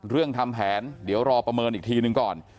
ทำแผนเดี๋ยวรอประเมินอีกทีหนึ่งก่อน